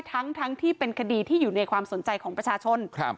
ทั้งทั้งที่เป็นคดีที่อยู่ในความสนใจของประชาชน